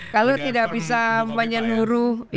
kalau tidak bisa menurut